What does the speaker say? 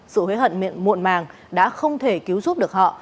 sự hối hận muộn màng đã không thể cứu giúp được họ